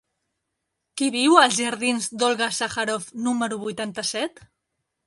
Qui viu als jardins d'Olga Sacharoff número vuitanta-set?